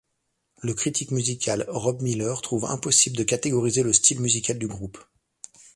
Le critique musical Rob Miller trouve impossible de catégoriser le style musical du groupe.